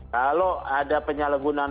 kalau ada penyalahgunaan